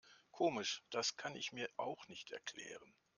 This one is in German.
Komisch, das kann ich mir auch nicht erklären.